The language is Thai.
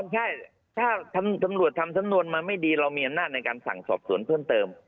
ใช่ถ้าตำรวจทำสำนวนมาไม่ดีเรามีอำนาจในการสั่งสอบสวนเพิ่มเติม